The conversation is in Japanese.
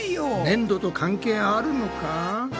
ねんどと関係あるのか？